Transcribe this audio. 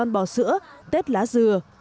bỏ sữa tết lá dừa